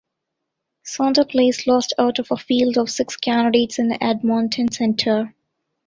Saunter placed last out of a field of six candidates in Edmonton-Centre.